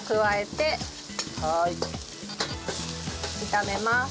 炒めます。